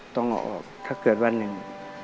ต้องเอาออกถ้าเกิดวันหนึ่ง